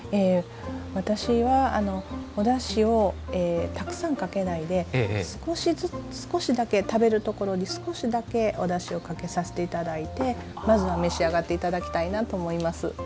私はおだしをたくさんかけないで少しだけ食べるところに少しだけおだしをかけさせて頂いてまずは召し上がって頂きたいなと思います。